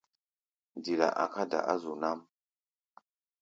Dila a̧ká̧ da̧ á zu nám.